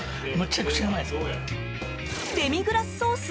デミグラスソース？